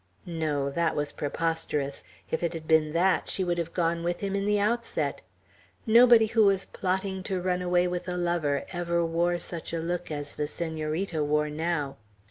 No; that was preposterous. If it had been that, she would have gone with him in the outset. Nobody who was plotting to run away with a lover ever wore such a look as the Senorita wore now.